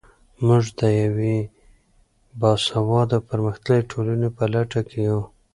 موږ د یوې باسواده او پرمختللې ټولنې په لټه کې یو.